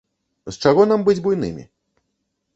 З чаго нам быць буйнымі?